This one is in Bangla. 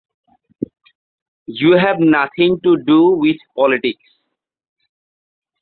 We have nothing to do with politics.